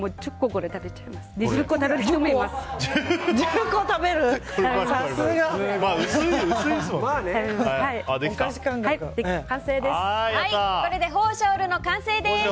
これでホーショールの完成です。